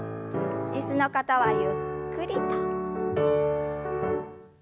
椅子の方はゆっくりと。